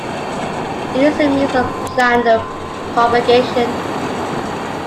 It is a means of plant propagation.